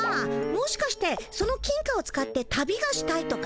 もしかしてその金貨を使って旅がしたいとか？